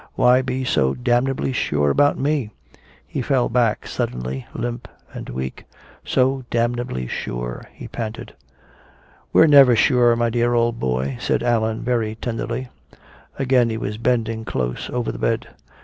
Why be so damnably sure about me?" He fell back suddenly, limp and weak. "So damnably sure," he panted. "We're never sure, my dear old boy," said Allan very tenderly. Again he was bending close over the bed.